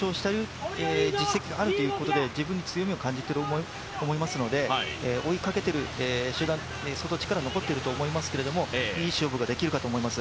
ただ、その中で優勝した実績があることで自分に強みを感じていると思いますので、追いかけている集団相当力は残っていると思いますけれどもいい勝負ができると思います。